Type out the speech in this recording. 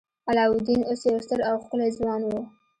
علاوالدین اوس یو ستر او ښکلی ځوان و.